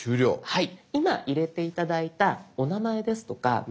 はい。